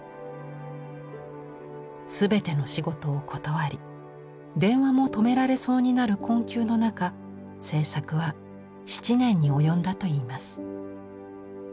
全ての仕事を断り電話も止められそうになる困窮の中制作は７年に及んだといいます。